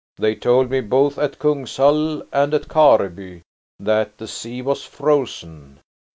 They told me both at Kungshall and at Kareby that the sea was frozen.